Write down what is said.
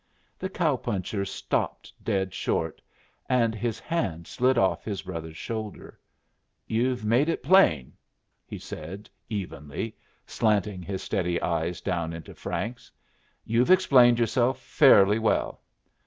The cow puncher stopped dead short, and his hand slid off his brother's shoulder. "You've made it plain," he said, evenly, slanting his steady eyes down into Frank's. "You've explained yourself fairly well.